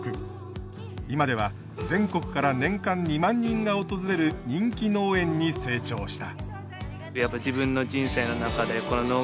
今では全国から年間２万人が訪れる人気農園に成長した。